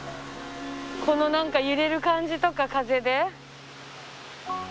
この何か揺れる感じとか風で。